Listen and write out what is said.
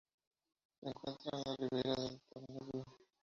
Se encuentra en la ribera del Danubio.